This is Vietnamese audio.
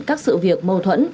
các sự việc mâu thuẫn